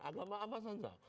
agama apa saja